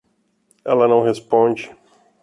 Ela não responde.